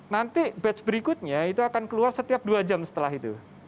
nanti batch berikutnya itu akan keluar setiap dua jam setelah itu